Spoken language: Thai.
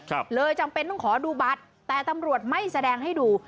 เลยจำเป็นต้องขอดูบัตรแต่ตำรวจไม่แสดงให้ดู